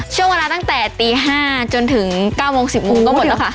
ช่วงเวลาตั้งแต่ตี๕จนถึง๙โมง๑๐โมงก็หมดแล้วค่ะ